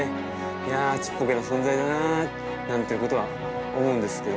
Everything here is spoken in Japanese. いやちっぽけな存在だななんていうことは思うんですけど。